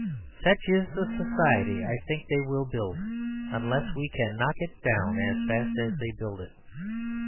Such is the society I think they will build unless we can knock it down as fast as they build it.